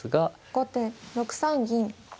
後手６三銀。